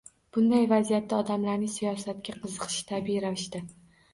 Bunday vaziyatda odamlarning siyosatga qiziqishi tabiiy ravishda